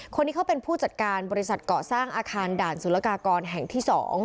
คนนี้เขาเป็นผู้จัดการบริษัทเกาะสร้างอาคารด่านสุรกากรแห่งที่๒